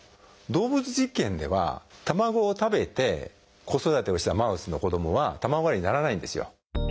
動物実験では卵を食べて子育てをしたマウスの子どもは卵アレルギーにならないんですよ。